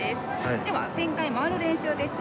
では旋回回る練習ですね。